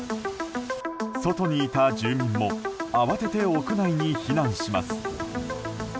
外にいた住民も慌てて屋内に避難します。